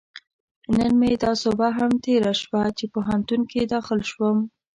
نن مې دا سوبه هم ترسره شوه، چې پوهنتون کې داخل شوم